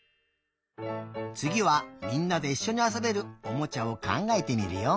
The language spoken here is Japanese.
つぎはみんなでいっしょにあそべるおもちゃをかんがえてみるよ。